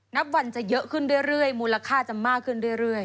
นับวันจะเยอะขึ้นเรื่อยมูลค่าจะมากขึ้นเรื่อย